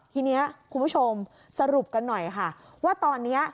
ทีนี้คุณผู้ชมสรุปกันหน่อยค่ะว่าตอนนี้